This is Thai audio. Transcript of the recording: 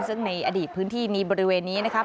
ซึ่งในอดีตพื้นที่นี้บริเวณนี้นะครับ